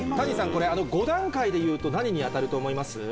これ５段階でいうと何に当たると思います？